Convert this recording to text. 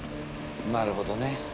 なるほどね。